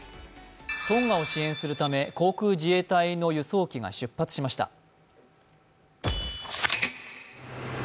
トンガを支援するため航空自衛隊の輸送機が出発しました。